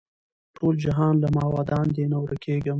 ټول جهان له ما ودان دی نه ورکېږم